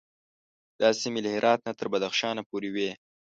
دا سیمې له هرات نه تر بدخشان پورې وې.